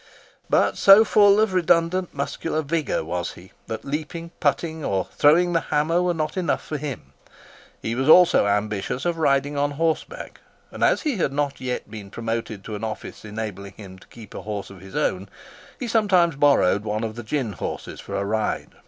But so full of redundant muscular vigour was he, that leaping, putting, or throwing the hammer were not enough for him. He was also ambitious of riding on horseback, and, as he had not yet been promoted to an office enabling him to keep a horse of his own, he sometimes borrowed one of the gin horses for a ride.